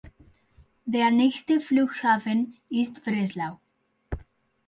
Der nächste Flughafen ist Breslau.